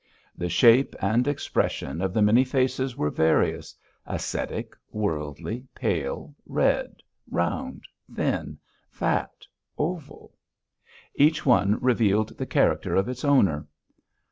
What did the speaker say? The shape and expression of the many faces were various ascetic, worldly, pale, red, round, thin, fat, oval; each one revealed the character of its owner.